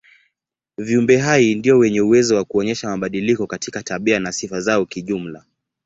Viumbe hai ndio wenye uwezo wa kuonyesha mabadiliko katika tabia na sifa zao kijumla.